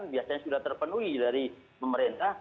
biasanya sudah terpenuhi dari pemerintah